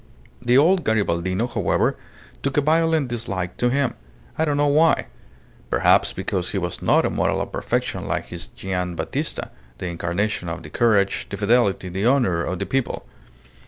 The old Garibaldino, however, took a violent dislike to him. I don't know why. Perhaps because he was not a model of perfection like his Gian' Battista, the incarnation of the courage, the fidelity, the honour of 'the people.